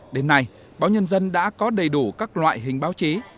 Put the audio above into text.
đến nay báo nhân dân đã có đầy đủ các loại hình báo chí